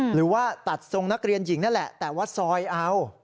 หรือว่าตัดทรงนักเรียนหญิงนั่นแหละแต่ว่าซอยเอา